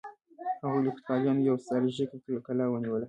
هغوی له پرتګالیانو یوه ستراتیژیکه کلا ونیوله.